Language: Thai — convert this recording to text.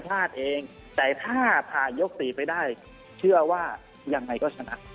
พลาดเองแต้ถ้าผ่านยกศรีไปได้เชื่อว่าอย่างไงก็